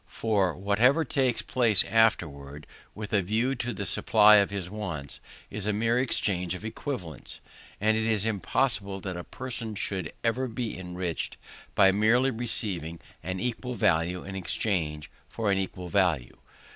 For whatever takes place afterwards, with a view to the supply of his wants, is a mere exchange of equivalents; and it is impossible that a person should ever be enriched by merely receiving an equal value in exchange for an equal value.